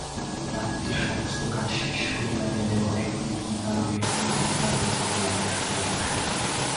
রাত্রির সমস্ত কাজ শেষ হইয়া গেলেও একদিন কী কারণে নবীনকালী কমলাকে ডাকিয়া পাঠাইলেন।